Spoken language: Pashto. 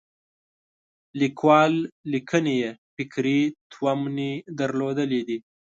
لیکوال لیکنې یې فکري تومنې درلودلې دي.